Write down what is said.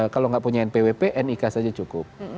kalau nggak punya npwp nik saja cukup